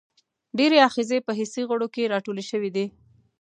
ډیری آخذې په حسي غړو کې راټولې شوي دي.